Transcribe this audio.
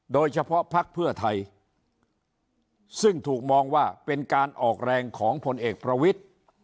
โดยเฉพาะภักดิ์เพื่อไทยซึ่งถูกมองว่าเป็นการออกแรงของผลเอกประวิทย์